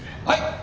はい！